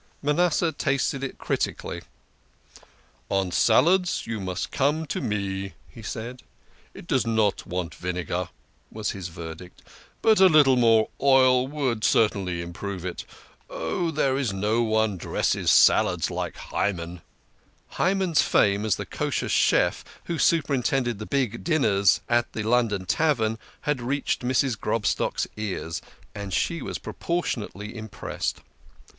Manasseh tasted it critically. " On salads you must come to me," he said. " It does not want vinegar," was his ver dict ;" but a little more oil would certainly improve it. Oh, there is no one dresses salad like Hyman !" Hyman's fame as the Kosher chef who superintended the big dinners at the London Tavern had reached Mrs. Grobstock's ears, and she was proportionately im pressed.